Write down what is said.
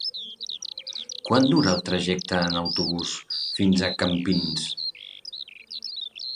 Quant dura el trajecte en autobús fins a Campins?